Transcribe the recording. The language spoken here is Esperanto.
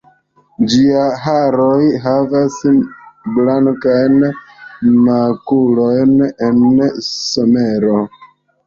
Ĝiaj haroj havas blankajn makulojn en somero.